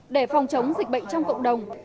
để phòng chống dịch bệnh trong cộng đồng